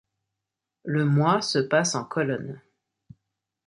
Le mois se passe en colonne.